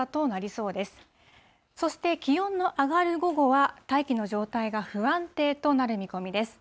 そして気温の上がる午後は、大気の状態が不安定となる見込みです。